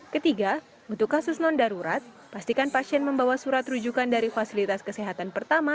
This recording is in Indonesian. ketiga untuk kasus non darurat pastikan pasien membawa surat rujukan dari fasilitas kesehatan pertama